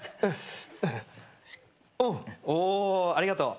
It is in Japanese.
おありがとう。